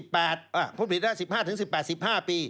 พูดผิดนะ๑๕ถึง๑๘๑๕ปี